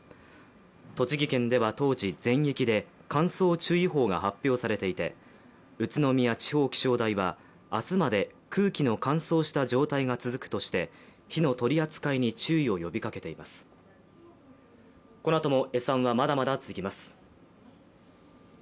栃木県では当時、全域で乾燥注意報が発表されていて宇都宮地方気象台は、明日まで空気の乾燥した状態が続くとして火の取り扱いに注意を呼びかけています。